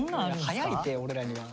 早いって俺らには。